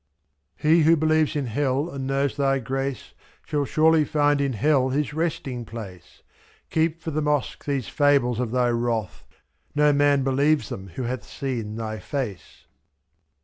He who believes in hell and knows Thy grace Shall surely find in hell his resting place, ro'hKeep for the mosque these fables of Thy wrath No man believes them who hath seen Thy face.